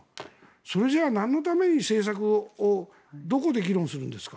それじゃなんのために政策をどこで議論するんですか。